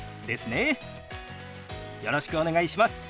よろしくお願いします。